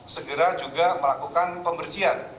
segera juga melakukan pembersihan